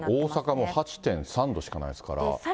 大阪も８．３度しかないですから。